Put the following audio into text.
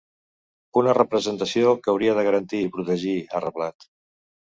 “Una representació que hauria de garantir i protegir”, ha reblat.